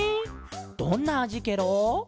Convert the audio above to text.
どんなあじケロ？